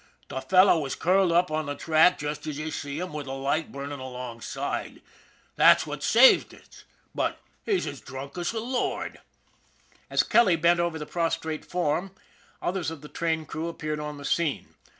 The fellow was curled up on the track just as you see him with the light burning alongside, that's what saved us, but he's as drunk as a lord." As Kelly bent over the prostrate form, others of the train crew appeared on the scene.